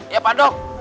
iya pak dok